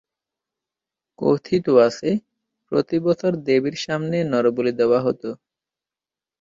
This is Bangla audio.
কথিত আছে, প্রতি বছর দেবীর সামনে নরবলি দেওয়া হত।